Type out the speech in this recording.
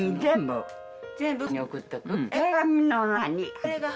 これがね